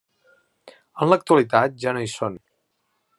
En l'actualitat ja no hi són.